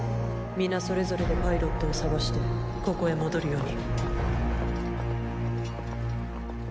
皆それぞれでパイロットを探してここへ戻るように。